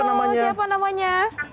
wah pas banget siapa namanya